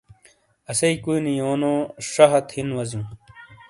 اسئیی کُوئی نی یونو شہ ہت ہِن وزیوں۔